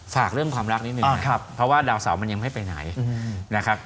ฝากเรื่องความรักนิดนึงนะครับเพราะว่าดาวเสาร์มันยังไม่ไปไหนนะครับ